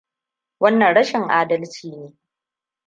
Wannan rashin adalci ne.